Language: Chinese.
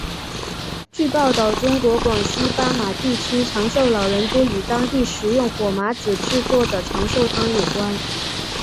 据报道中国广西巴马地区长寿老人多与当地食用火麻子制作的长寿汤有关。